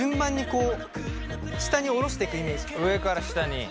上から下に。